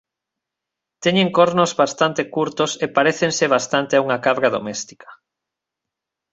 Teñen cornos bastante curtos e parécense bastante a unha cabra doméstica.